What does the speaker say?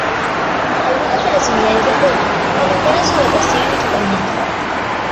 Algunas de las unidades de apoyo aumentaron su dotación y equipamiento.